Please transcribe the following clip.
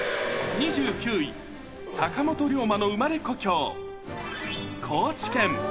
２９位、坂本龍馬の生まれ故郷、高知県。